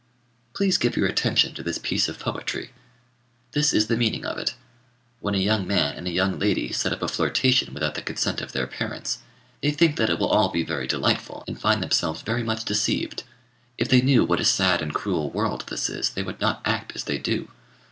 Please give your attention to this piece of poetry. This is the meaning of it: When a young man and a young lady set up a flirtation without the consent of their parents, they think that it will all be very delightful, and find themselves very much deceived. If they knew what a sad and cruel world this is, they would not act as they do.